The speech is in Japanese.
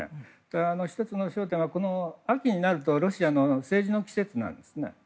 ただ１つの焦点は、秋になるとロシアの政治の季節なんですね。